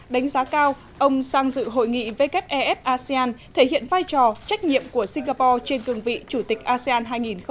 đánh giá cao ông sang dự hội nghị wfef asean thể hiện vai trò trách nhiệm của singapore trên cường vị chủ tịch asean hai nghìn một mươi tám